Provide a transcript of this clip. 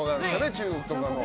中国とかの。